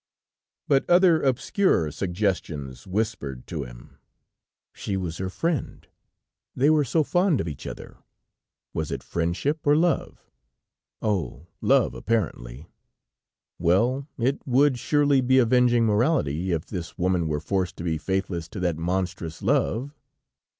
But other obscurer suggestions whispered to him: "She was her friend! ... They were so fond of each other! Was it friendship or love? Oh! love apparently. Well, it would surely be avenging morality, if this woman were forced to be faithless to that monstrous love?"